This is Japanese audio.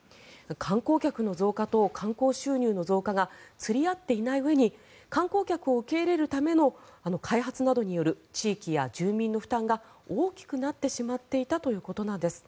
観光客の増加と観光収入の増加が釣り合っていないうえに観光客を受け入れるための開発などによる地域や住民の負担が大きくなってしまっていたということなんです。